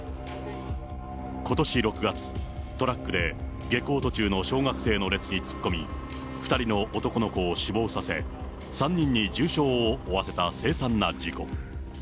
ことし６月、トラックで下校途中の小学生の列に突っ込み、２人の男の子を死亡させ、３人に重傷を負わせた凄惨な事故。